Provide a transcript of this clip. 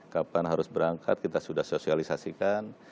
kapan harus berangkat kita sudah sosialisasikan